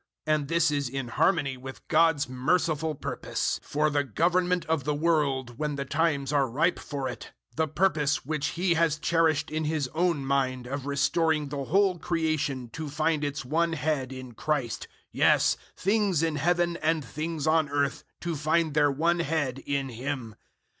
And this is in harmony with God's merciful purpose 001:010 for the government of the world when the times are ripe for it the purpose which He has cherished in His own mind of restoring the whole creation to find its one Head in Christ; yes, things in Heaven and things on earth, to find their one Head in Him.